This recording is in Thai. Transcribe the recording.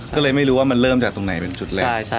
ก็เลยไม่รู้ว่ามันเริ่มจากตรงไหนเป็นจุดแรก